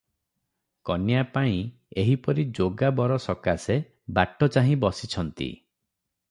କନ୍ୟାପାଇଁ ଏହିପରି ଯୋଗା ବର ସକାଶେ ବାଟ ଚାହିଁ ବସିଛନ୍ତି ।